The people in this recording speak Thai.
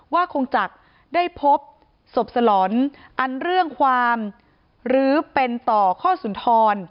คงจักรได้พบศพสลอนอันเรื่องความหรือเป็นต่อข้อสุนทร